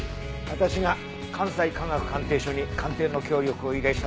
私が関西科学鑑定所に鑑定の協力を依頼したんだよ。